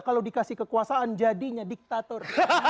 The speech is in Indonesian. kalau dikasih kekuasaan jadinya diktator